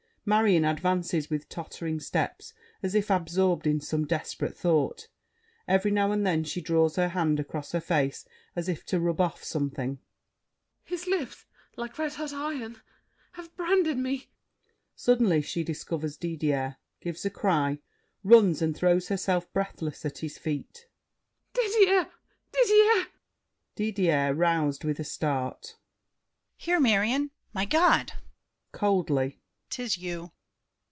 MARION (advances with tottering steps as if absorbed in some desperate thought. Every now and then she draws her hand across her face as if to rub off something). His lips, like red hot iron, have branded me! [Suddenly she discovers Didier, gives a cry, runs and throws herself breathless at his feet. Didier—Didier! DIDIER (roused with a start). Here, Marion! My God! [Coldly.] 'Tis you?